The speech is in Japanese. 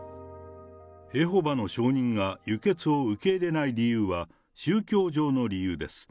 エホバの証人が輸血を受け入れない理由は、宗教上の理由です。